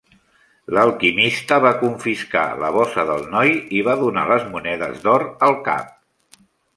L'alquimista va confiscar la bossa del noi i va donar les monedes d'or al cap.